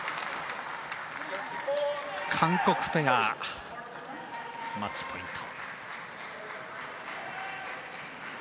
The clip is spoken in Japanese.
韓国ペア、マッチポイント。